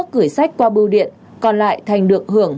gửi sách qua bù điện còn lại thành được hưởng hơn một mươi tám triệu đồng